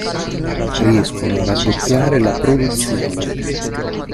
Riescono a raddoppiare la produzione.